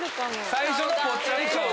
最初のぽっちゃり感は。